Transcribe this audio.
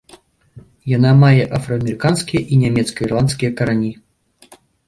Яна мае афраамерыканскія і нямецка-ірландскія карані.